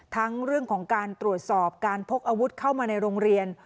ทั้งเรื่องของการตรวจสอบการพกอาวุธเข้ามาในโรงเรียน